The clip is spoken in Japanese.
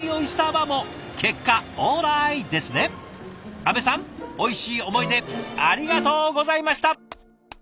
おいしい思い出ありがとうございました！